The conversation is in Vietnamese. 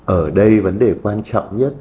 ở đây vấn đề quan trọng nhất